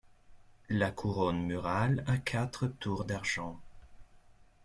La couronne murale à quatre tours d'argent.